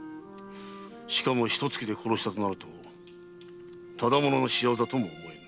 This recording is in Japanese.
しかも一突きで殺したとなるとただ者の仕業とも思えん。